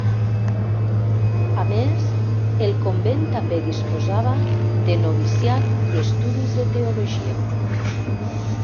A més, el convent també disposava de noviciat i estudis de teologia.